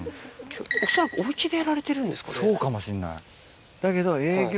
恐らくお家でやられてるんですかね。